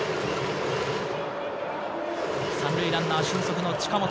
３塁ランナー、俊足の近本。